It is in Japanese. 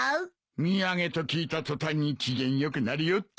土産と聞いた途端に機嫌よくなりおって。